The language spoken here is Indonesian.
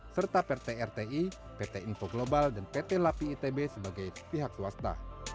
serta pt rti pt info global dan pt lapi itb sebagai pihak swasta